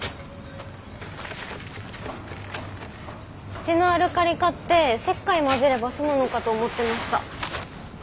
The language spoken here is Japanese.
土のアルカリ化って石灰混ぜれば済むのかと思ってました。